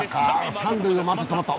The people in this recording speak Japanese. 三塁を回って止まった。